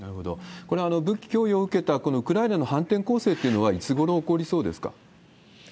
これ、武器供与を受けた、このウクライナの反転攻勢というのは、いつごろ起こりそうですか？